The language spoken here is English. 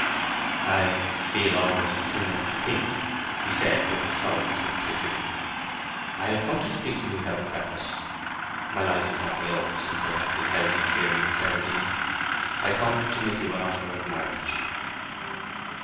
"I feel—almost too much—to think," he said, with a solemn simplicity. "I have come to speak to you without preface. My life is not my own since I have beheld you clearly, Miss Everdene—I come to make you an offer of marriage."